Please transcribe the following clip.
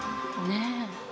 ねえ。